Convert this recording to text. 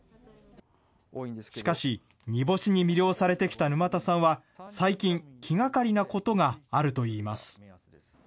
しかし、煮干しに魅了されてきた沼田さんは、最近、気がかりなことがあるといいます。